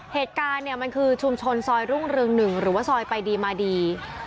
เหตุการณ์เนี่ยมันคือชุมชนซอยรุ่งเรือง๑หรือว่าซอยไปดีมาดี